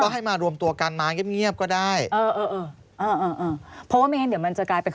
ให้มารวมตัวกันมาเงียบเงียบก็ได้เออเอออ่าเพราะว่าไม่งั้นเดี๋ยวมันจะกลายเป็น